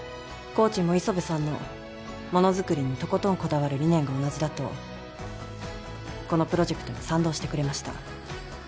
コーチもＩＳＯＢＥさんのものづくりにとことんこだわる理念が同じだとこのプロジェクトに賛同してくれました